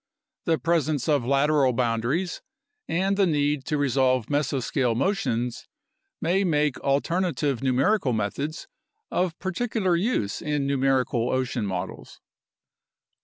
The presence of lateral boundaries and the need to resolve mesoscale motions may make alternative numerical methods of particular use in numerical ocean models.